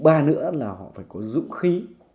ba nữa là họ phải có dũng khí